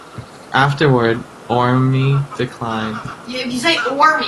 Afterward, Orme declined.